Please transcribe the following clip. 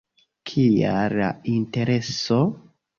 Kial la Intereso?